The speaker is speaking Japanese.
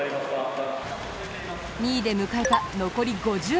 ２位で迎えた残り５０ｍ